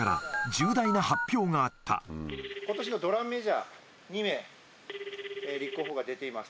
ことしのドラムメジャー、２名、立候補が出ています。